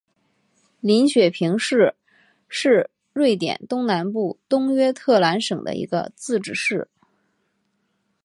林雪平市是瑞典东南部东约特兰省的一个自治市。